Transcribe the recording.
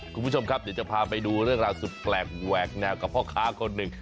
คุณผู้ชมครับเดี๋ยวจะพาไปดูเรื่องราวสุดแปลกแหวกแนวกับพ่อค้าคนหนึ่ง